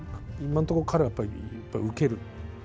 今のところ彼は受ける。